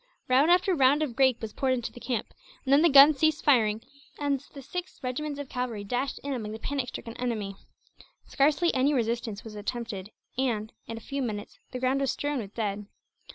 Round after round of grape was poured into the camp; and then the guns ceased firing, as the six regiments of cavalry dashed in among the panic stricken enemy. Scarcely any resistance was attempted and, in a few minutes, the ground was strewn with dead.